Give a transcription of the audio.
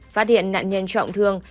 phát hiện nạn nhân trọng thương